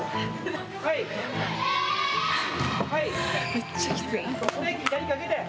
めっちゃきつい。